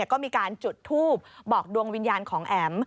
ก็มีการจุดทูบบอกดวงวิญญาณของแอ๋ม